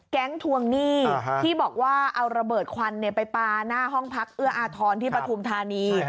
ทวงหนี้ที่บอกว่าเอาระเบิดควันไปปลาหน้าห้องพักเอื้ออาทรที่ปฐุมธานี